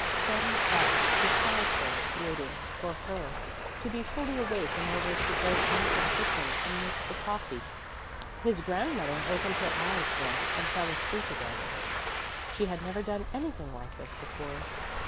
Sami sat beside her waiting for her to be fully awake in order to go into the kitchen and make the coffee. His grandmother opened her eyes once and fell asleep again. She had never done anything like this before.